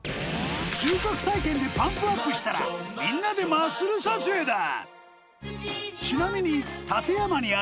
収穫体験でパンプアップしたらみんなでマッスル撮影だ